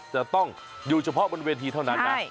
จะต้องอยู่เฉพาะบนเวทีเท่านั้นนะ